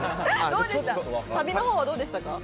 旅のほうは、どうでしたか？